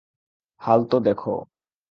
হাল তো দেখো।